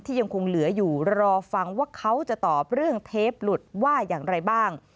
ยังคงเหลืออยู่รอฟังว่าเขาจะตอบเรื่องเทปหลุดว่าอย่างไรบ้าง